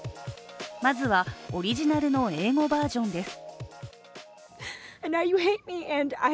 まずは、オリジナルの英語バージョンです。